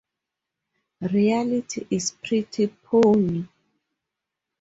Reality is pretty phony...